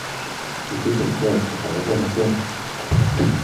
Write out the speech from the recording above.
Busti zaitez eta goza ezazu!